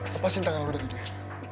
lepasin tangan lo dari dia